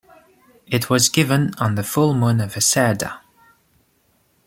It was given on the full-moon day of Asadha.